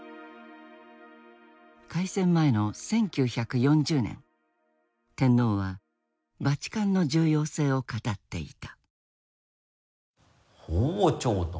開戦前の１９４０年天皇はバチカンの重要性を語っていた。